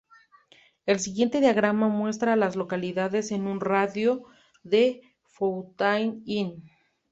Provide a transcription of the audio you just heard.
El siguiente diagrama muestra a las localidades en un radio de de Fountain Inn.